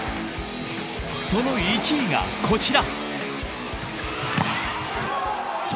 その１位が、こちら。